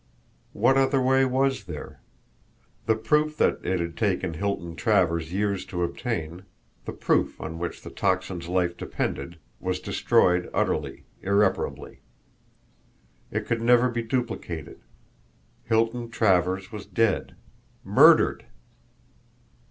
What other way was there? The proof that it had taken Hilton Travers years to obtain, the proof on which the Tocsin's life depended, was destroyed utterly, irreparably. It could never be duplicated Hilton Travers was dead MURDERED.